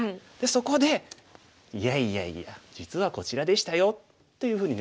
そこで「いやいやいや実はこちらでしたよ」というふうに狙うのがいいんですね。